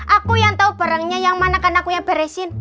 aku yang tau barangnya yang mana kan aku yang beresin